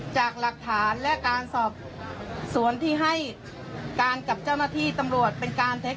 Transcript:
จากหลักฐานและการสอบสวนที่ให้การกับเจ้าหน้าที่ตำรวจเป็นการเท็จ